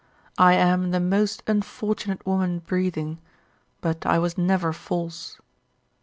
I am the most unfortunate woman breathing, but I was never false.